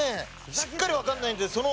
しっかりわかんないんでその。